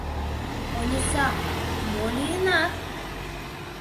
Ониса, мо лийынат?